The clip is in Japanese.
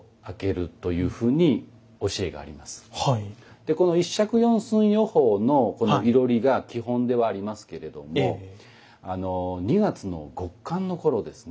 でこの一尺四寸四方のこの囲炉裏が基本ではありますけれども２月の極寒の頃ですね。